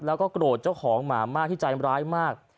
แล้วก็โกรธเจ้าของหมามากที่ใจร้ายมาก